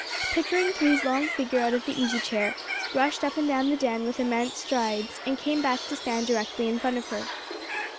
Pickering threw his long figure out of the easy chair, rushed up and down the den with immense strides, and came back to stand directly in front of her.